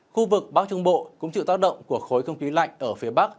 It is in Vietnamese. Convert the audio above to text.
khu vực bắc trung bộ cũng chịu tác động của khối không khí lạnh ở phía bắc